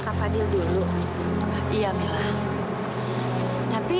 saya dari klinik tante